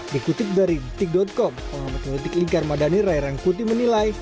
dikutip dari dik com pengomotivitik lingkar madani rai rangkuti menilai